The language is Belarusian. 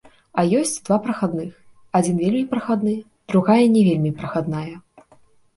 А ёсць два прахадных, адзін вельмі прахадны, другая не вельмі прахадная.